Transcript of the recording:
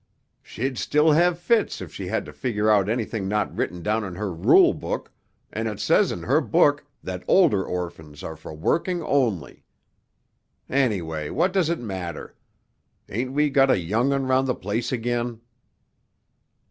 "She'd still have fits if she had to figure out anything not written down in her rule book, and it says in her book that older orphans are for working only. Anyway what does it matter? Ain't we got a young'un round the place again?"